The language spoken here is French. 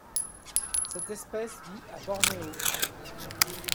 Cette espèce vit à Bornéo.